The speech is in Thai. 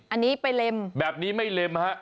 อันนี้ไปเล่มแบบนี้ไม่เล่มครับ